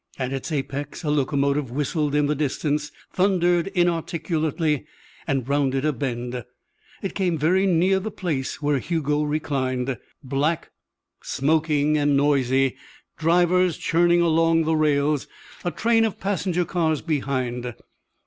At its apex a locomotive whistled in the distance, thundered inarticulately, and rounded a bend. It came very near the place where Hugo reclined, black, smoking, and noisy, drivers churning along the rails, a train of passenger cars behind.